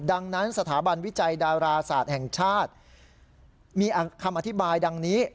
ดังนั้นสถาบันวิจัยดาราศาสตร์แห่งชาติมีคำอธิบายดังนี้